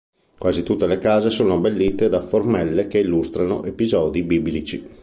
Quasi tutte le case sono abbellite da formelle che illustrano episodi biblici.